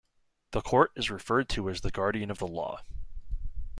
The Court is referred to as the guardian of the law.